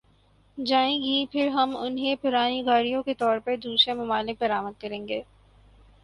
جائیں گی پھر ہم انہیں پرانی گاڑیوں کے طور پر دوسرے ممالک برآمد کریں گئے